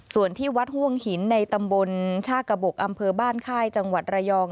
ส่วนที่วัดห่วงหินในตำบลชากระบกอำเภอบ้านค่ายจังหวัดระยอง